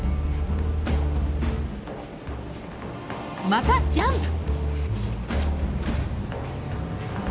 またジャンプ！